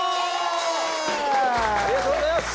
ありがとうございます！